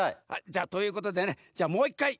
じゃということでねじゃあもう１かい